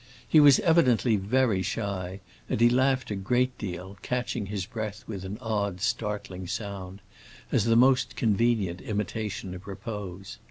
He was evidently very shy, and he laughed a great deal, catching his breath with an odd, startling sound, as the most convenient imitation of repose.